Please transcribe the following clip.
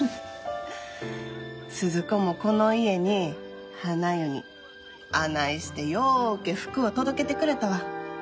鈴子もこの家にはな湯にあないしてようけ福を届けてくれたわ。